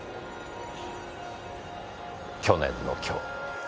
去年の今日。